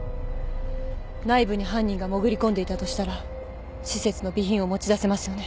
内部に犯人が潜り込んでいたとしたら施設の備品を持ち出せますよね？